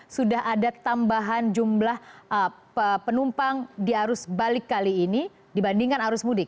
sudah ada tambahan jumlah penumpang di arus balik kali ini dibandingkan arus mudik